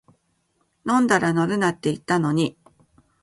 飲んだら乗るなって言ったのに